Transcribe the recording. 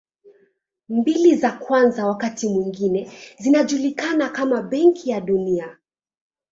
Mbili za kwanza wakati mwingine zinajulikana kama Benki ya Dunia.